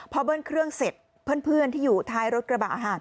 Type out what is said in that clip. พอเบิ้ลเครื่องเสร็จเพื่อนที่อยู่ท้ายรถกระบะ